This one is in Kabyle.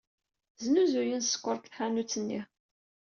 Snuzuyen sskeṛ deg tḥanut-nni.